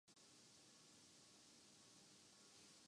فوج اس ملک میں ہمیشہ سے ہی موج میں رہی ہے اور رہے گی